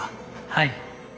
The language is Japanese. はい。